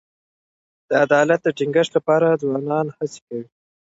د عدالت د ټینګښت لپاره ځوانان هڅې کوي.